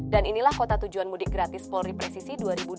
dan inilah kota tujuan mudik gratis polri presisi dua ribu dua puluh empat